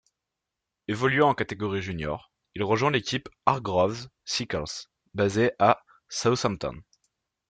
Évoluant en catégorie juniors, il rejoint l'équipe Hargroves Cycles, basée à Southampton.